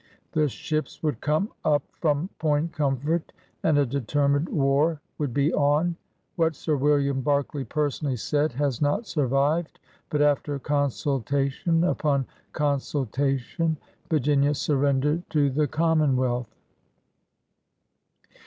The ships would come up from Point Comfort, and a determined war would be on. What Sir William Berkeley personally said has not survived. But after consultation upon con sultation Virginia surrendered to the Common wealth.